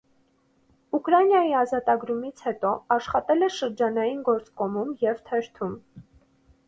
Ուկրաինայի ազատագրումից հետո աշխատել է շրջանային գործկոմում և թերթում։